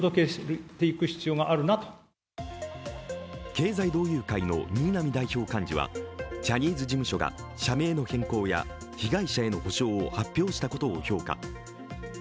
経済同友会の新浪代表幹事はジャニーズ事務所が社名の変更や被害者への補償を発表したことを評価。